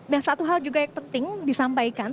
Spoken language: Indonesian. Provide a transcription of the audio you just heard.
dan satu hal juga yang penting disampaikan